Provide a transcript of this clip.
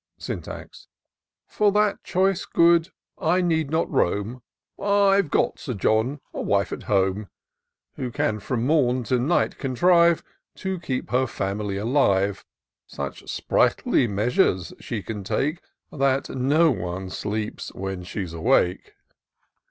Syntax. " For that choice good I need not roam ; I've got, Sir John, a wife at home. Who can from morn to night contrive To keep her family alive : Such sprightly measures she can take. That no one sleeps when she's awake.